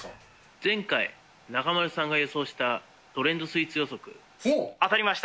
前回、中丸さんが予想したトレンドスイーツ予測、当たりました。